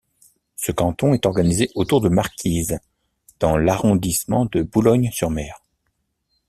Ce canton est organisé autour de Marquise dans l'arrondissement de Boulogne-sur-Mer.